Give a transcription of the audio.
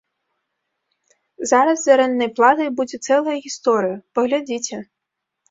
Зараз з арэнднай платай будзе цэлая гісторыя, паглядзіце!